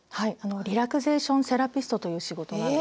リラクゼーションセラピストという仕事なんです。